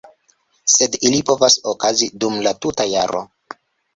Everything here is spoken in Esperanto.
Sed ili povas okazi dum la tuta jaro.